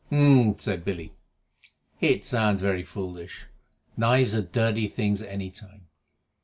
"H'm!" said Billy. "It sounds very foolish. Knives are dirty things at any time.